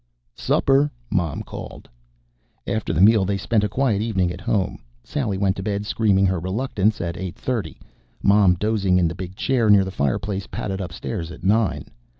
"Supper!" Mom called. After the meal, they spent a quiet evening at home. Sally went to bed, screaming her reluctance, at eight thirty. Mom, dozing in the big chair near the fireplace, padded upstairs at nine.